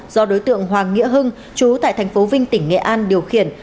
do đối tượng hoàng nghĩa hưng chú tại tp vinh tỉnh nghệ an điều khiển